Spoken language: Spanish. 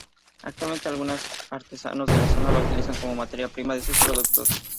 Actualmente algunos artesanos de la zona las utilizan como materia prima de sus productos.